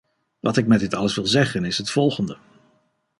Wat ik met dit alles wil zeggen is het volgende.